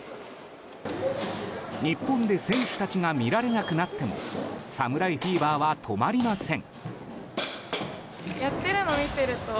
日本で選手たちが見られなくなっても侍フィーバーは止まりません。